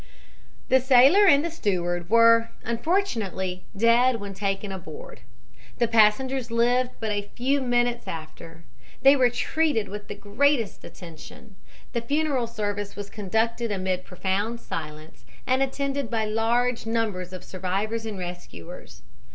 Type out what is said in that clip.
"The sailor and steward were unfortunately dead when taken aboard. The passengers lived but a few minutes after. They were treated with the greatest attention. The funeral service was conducted amid profound silence and attended by a large number of survivors and rescuers.